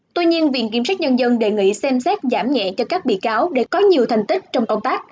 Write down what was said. tuy nhiên viện kiểm sát nhân dân đề nghị xem xét giảm nhẹ cho các bị cáo để có nhiều thành tích trong công tác